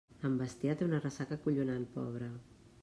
En Bastià té una ressaca acollonant, pobre.